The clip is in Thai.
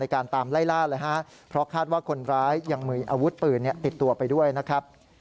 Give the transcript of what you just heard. การตามไล่ล่าเลยฮะเพราะคาดว่าคนร้ายยังมีอาวุธปืนติดตัวไปด้วยนะครับ